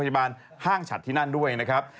พฤบัณฑ์ห้างฉัดที่นั่นด้วยนะครับ